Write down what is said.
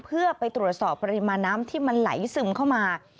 เพื่อไปตรวจสอบปริมาณน้ำที่มันไหลซึมเข้ามา